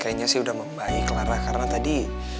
kayanya sih udah membaik clara karena tadi